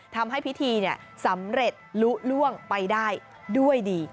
ทำให้พิธีสำเร็จลุล่วงไปได้ด้วยดี